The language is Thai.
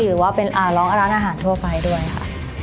หรือว่าเป็นร้องร้านอาหารทั่วไปด้วยค่ะ